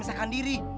berdua elas didi argus